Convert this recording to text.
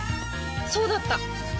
そうだった！